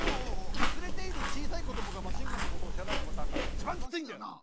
でも連れている小さい子どもがマシンガンズのことを知らないってパターンがあれ一番キツいんだよな。